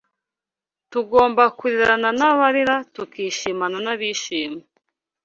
Tugomba kurirana n’abarira, tukishimana n’abishima